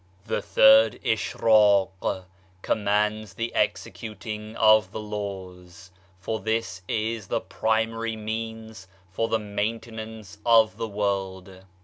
" The third Ishraq commands the executing of the laws, for this is the primary means for the maintenance of the world.